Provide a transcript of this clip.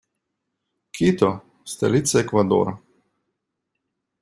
Кито - столица Эквадора.